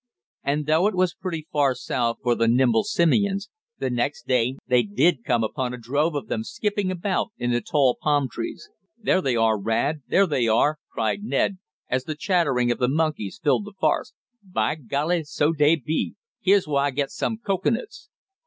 And though it was pretty far south for the nimble simians, the next day they did come upon a drove of them skipping about in the tall palm trees. "There they are, Rad! There they are!" cried Ned, as the chattering of the monkeys filled the forest. "By golly! So dey be! Heah's where I get some cocoanuts!"